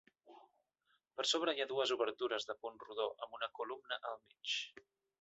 Per sobre hi ha dues obertures de punt rodó amb una columna al mig.